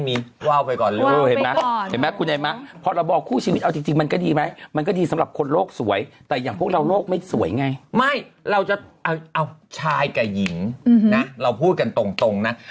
ไม่เราจะชายกับหญิงนะเราพูดกันตรงนะ